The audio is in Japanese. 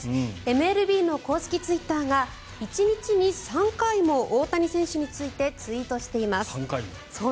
ＭＬＢの公式ツイッターが１日に３回も大谷選手についてツイートしています。